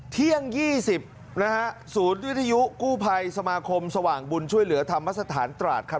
เที่ยง๒๐นะฮะศูนย์วิทยุกู้ภัยสมาคมสว่างบุญช่วยเหลือธรรมสถานตราดครับ